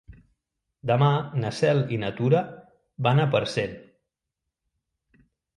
Demà na Cel i na Tura van a Parcent.